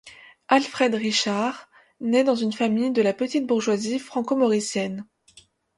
Alfred Richard naît dans une famille de la petite bourgeoisie franco-mauricienne.